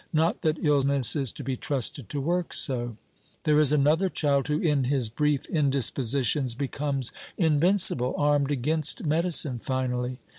Not that illness is to be trusted to work so. There is another child who in his brief indispositions becomes invincible, armed against medicine finally.